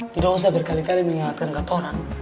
tidak usah berkali kali mengingatkan kata orang